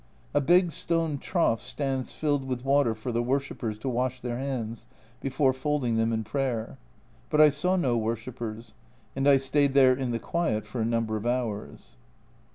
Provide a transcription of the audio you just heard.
A big stone trough stands filled with water for the worshippers to wash their hands before folding them in prayer but I saw no worshippers, and I stayed there in the quiet for a number of hours.